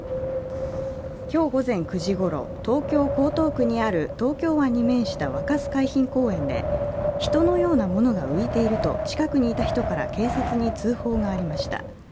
今日午前９時ごろ、東京・江東区にある東京湾に面した若洲海浜公園で、人のようなものが浮いていると近くにいた人から警察に通報がありました。